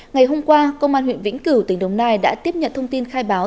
ngày hôm qua công an huyện vĩnh cửu tỉnh đồng nai đã tiếp nhận thông tin khai báo